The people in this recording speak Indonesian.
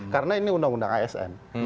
karena ini undang undang asn